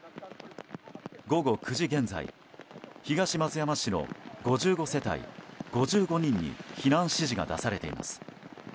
午後９時現在東松山市の５５世帯５５人に避難指示が出されています。